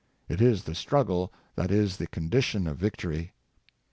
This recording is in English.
It is the struggle that is the condition of victory.